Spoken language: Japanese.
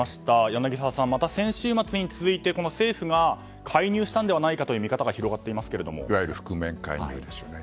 柳澤さん、また先週末に続いて政府が介入したのではないかという見方がいわゆる覆面介入ですよね。